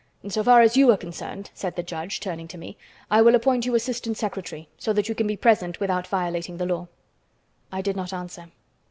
So far as you are concerned," said the judge, turning to me, "I will appoint you assistant secretary, so that you can be present without violating the law." I did not answer.